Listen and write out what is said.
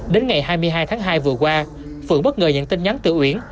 đến ngày hai mươi hai tháng hai vừa qua phượng bất ngờ nhận tin nhắn từ uyển